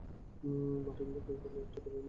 Martin বললো আছে - এখানে একটি মেডিকেল কিট আছে।